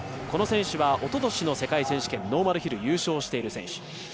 この選手はおととしの世界選手権ノーマルヒル優勝している選手。